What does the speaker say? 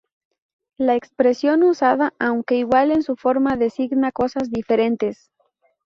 La expresión usada, aunque igual en su forma designa cosas diferentes.